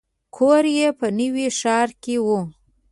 کور یې په نوي ښار کې و.